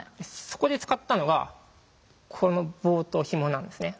そこで使ったのがこの棒とひもなんですね。